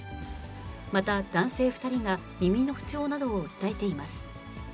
また、男性２人が耳の不調などを訴えています。